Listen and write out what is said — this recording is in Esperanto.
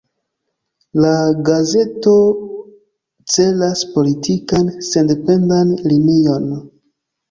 La gazeto celas politikan sendependan linion.